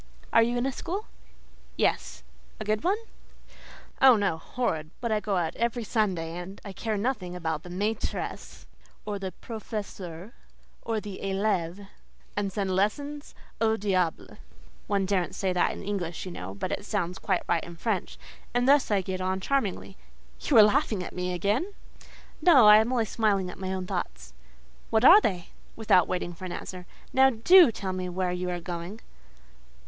"Are you in a school?" "Yes." "A good one?" "Oh, no! horrid: but I go out every Sunday, and care nothing about the maîtresses or the professeurs, or the élèves, and send lessons au diable (one daren't say that in English, you know, but it sounds quite right in French); and thus I get on charmingly…. You are laughing at me again?" "No—I am only smiling at my own thoughts." "What are they?" (Without waiting for an answer)—"Now, do tell me where you are going."